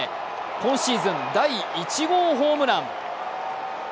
今シーズン第１号ホームラン。